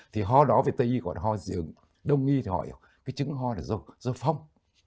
thì ho đó về tây y còn ho dự ứng đông y thì họ hiểu cái chứng ho là do phong